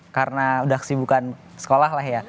karena udah kesibukan sekolah lah ya